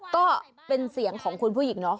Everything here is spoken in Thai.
ก็เป็นเสียงของคุณผู้หญิงเนาะ